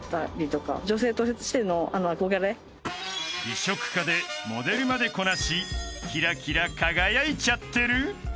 ［美食家でモデルまでこなしキラキラ輝いちゃってる？］